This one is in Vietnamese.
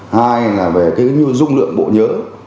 hai là về cái dung lượng bộ nhớ